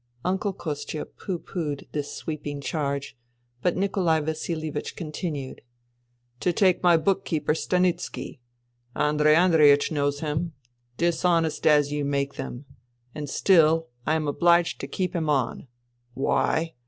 Uncle Kostia *' pooh poohed " this sweeping charge ; but Nikolai Vasilievich continued :" To take my book keeper Stanitski. Andrei Andreiech knows him. Dishonest as you make them. And still I am obliged to keep him on. Why